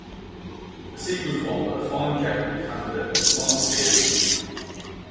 The seat was won by the Fine Gael candidate Mark Deering.